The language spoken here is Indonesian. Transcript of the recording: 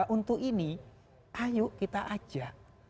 untuk ini ayo kita ajak